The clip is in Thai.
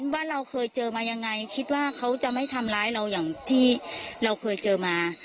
ว่าเราเคยเจอมายังไงคิดว่าเขาจะไม่ทำร้ายเราอย่างที่เราเคยเจอมา